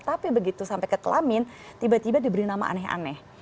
tapi begitu sampai ke kelamin tiba tiba diberi nama aneh aneh